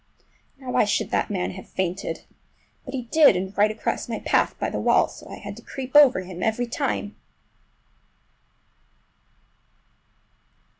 Now why should that man have fainted? But he did, and right across my path by the wall, so that I had to creep over him every time!